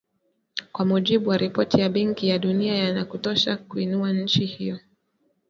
Kwa mujibu wa ripoti ya Benki ya Dunia hayakutosha kuiinua nchi hiyo